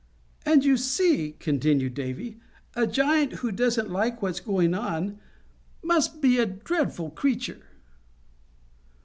"And, you see," continued Davy, "a giant who doesn't like what's going on must be a dreadful creature."